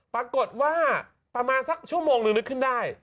ปรากฏว่าประมาณสักชั่วโมงนึงนึงนึกขึ้นได้